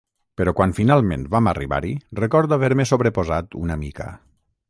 Però quan finalment vam arribar-hi, recordo haver-me sobreposat una mica.